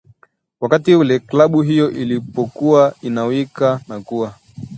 wakati ule klabu hiyo ilipokuwa inawika na kuwa